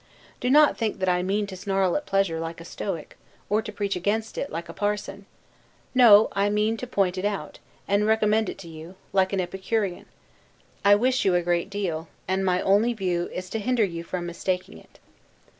Do not think that I mean to snarl at pleasure, like a Stoic, or to preach against it, like a parson; no, I mean to point it out, and recommend it to you, like an Epicurean: I wish you a great deal; and my only view is to hinder you from mistaking it.